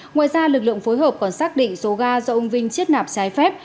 ngoài ra lực lượng phối hợp còn xác định số ga do ông vinh chiết nạp trái phép